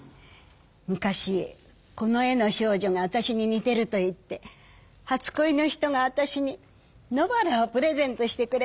昔この絵の少女があたしに似てるといって初こいの人があたしに野バラをプレゼントしてくれたんです。